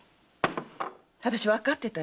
私わかってた。